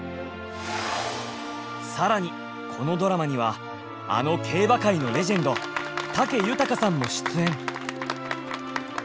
更にこのドラマにはあの競馬界のレジェンド武豊さんも出演！